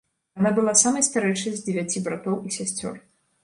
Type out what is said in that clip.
Яна была самай старэйшай з дзевяці братоў і сясцёр.